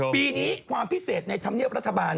ปีนี้ความพิเศษในธรรมเนียบรัฐบาล